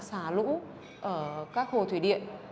xả lũ ở các hồ thủy điện